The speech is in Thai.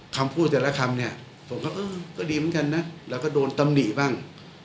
คำพูดแต่ละคำเนี่ยผมก็เออก็ดีเหมือนกันนะแล้วก็โดนตำหนิบ้าง